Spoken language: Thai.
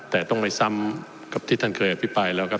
แต่ต้องไปซ้ำกับที่ท่านเคยอภิปรายแล้วครับ